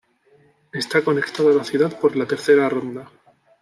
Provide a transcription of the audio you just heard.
Está conectado a la ciudad por la Tercera Ronda.